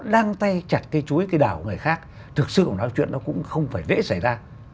đăng tay chặt cây chuối cái đảo của người khác thực sự nói chuyện đó cũng không phải dễ xảy ra